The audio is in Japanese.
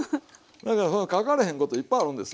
だから書かれへんこといっぱいあるんですわ。